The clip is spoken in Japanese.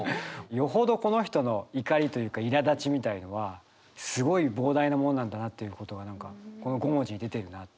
よほどこの人の怒りというかいらだちみたいのはすごい膨大なものなんだなということが何かこの５文字に出てるなって。